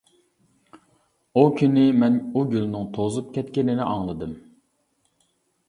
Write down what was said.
ئۇ كۈنى مەن ئۇ گۈلنىڭ توزۇپ كەتكىنىنى ئاڭلىدىم.